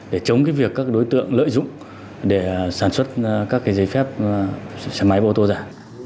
để chống cái việc các đối tượng lợi dụng để sản xuất các cái giấy phép xe máy ô tô giả